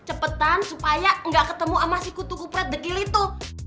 kecepetan supaya gak ketemu sama si kutu kupret degil itu